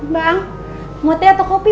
bang mau teh atau kopi